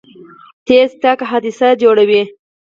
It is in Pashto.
چټک تګ حادثه جوړوي.